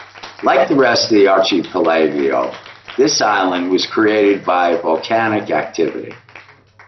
Like the rest of the archipelago, the island was created by volcanic activity.